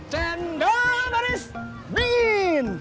cendol manis dingin